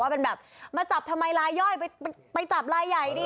เป็นแบบมาจับทำไมลายย่อยไปจับลายใหญ่ดิ